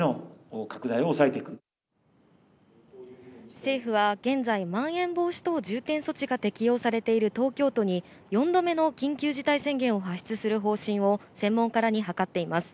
政府は現在、まん延防止等重点措置が適用されている東京都に４度目の緊急事態宣言を発出する方針を専門家らに諮っています。